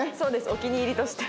お気に入りとして。